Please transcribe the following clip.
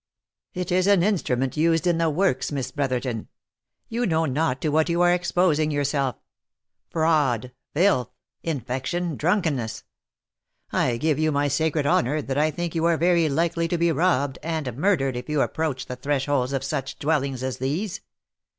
" It is an instrument used in the works, Miss Brotherton. You know not to what you are exposing yourself — fraud, filth, infection, drunkenness ! I give you my sacred honour that I think you are very likely to be robbed and murdered if you approach the thresholds of such dwellings as these."